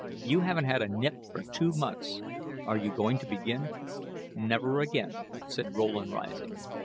You haven't had a nip for two months. Are you going to begin?" "Never again," said Rowland, rising.